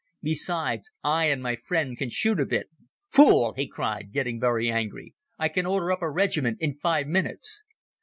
Besides, I and my friend can shoot a bit." "Fool!" he cried, getting very angry. "I can order up a regiment in five minutes."